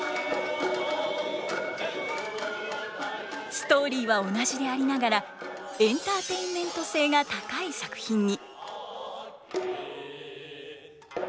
ストーリーは同じでありながらエンターテインメント性が高い作品に。